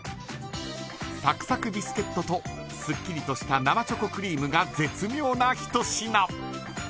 サクサクビスケットとすっきりとした生チョコクリームが絶妙な一品。